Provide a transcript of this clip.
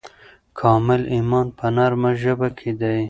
کامل ایمان په نرمه ژبه کې دی.